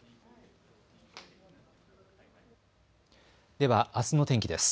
では、あすの天気です。